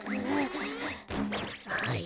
はい。